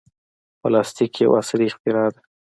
پلاستيک یو عصري اختراع ده.